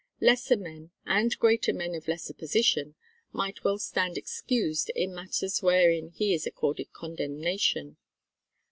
Lesser men, and greater men of lesser position, might well stand excused in matters wherein he is accorded condemnation.